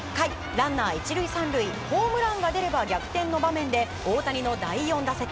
ランナー１塁３塁ホームランが出れば逆転の場面で大谷の第４打席。